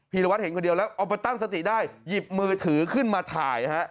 ีรวัตรเห็นคนเดียวแล้วเอาไปตั้งสติได้หยิบมือถือขึ้นมาถ่ายฮะ